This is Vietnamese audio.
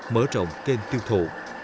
mở rộng kênh tiêu thụ